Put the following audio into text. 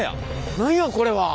何やこれは。